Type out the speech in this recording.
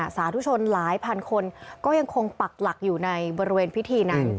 สาธุชนหลายพันคนก็ยังคงปักหลักอยู่ในบริเวณพิธีนั้น